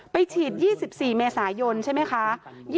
ฉีด๒๔เมษายนใช่ไหมคะ